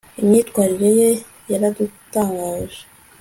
imyitwarire ye yaradutangaje